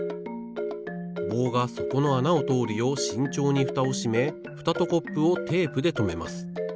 棒がそこのあなをとおるようしんちょうにフタをしめフタとコップをテープでとめます。